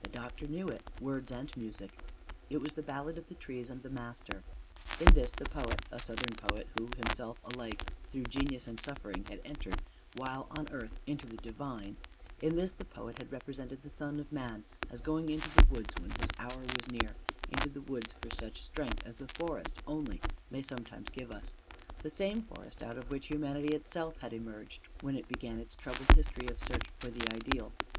The doctor knew it words and music: it was the Ballad of the Trees and the Master. In this the poet a Southern poet who himself alike through genius and suffering had entered while on earth into the divine in this the poet had represented the Son of Man as going into the woods when his hour was near; into the woods for such strength as the forest only may sometimes give us: the same forest out of which humanity itself had emerged when it began its troubled history of search for the ideal.